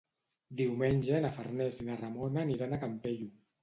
Diumenge na Farners i na Ramona aniran al Campello.